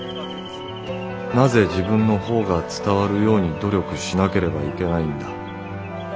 なぜ自分の方が伝わるように努力しなければいけないんだ。